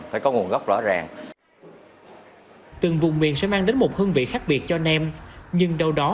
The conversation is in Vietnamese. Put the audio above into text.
phải có nguồn gốc rõ ràng từng vùng miền sẽ mang đến một hương vị khác biệt cho nem nhưng đâu đó